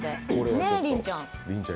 ねえ、りんちゃん。